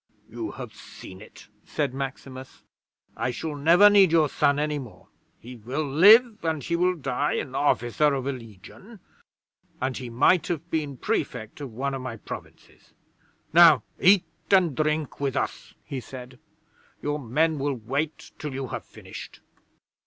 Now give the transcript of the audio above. '"You have seen it," said Maximus. "I shall never need your son any more. He will live and he will die an officer of a Legion and he might have been Prefect of one of my Provinces. Now eat and drink with us," he said. "Your men will wait till you have finished."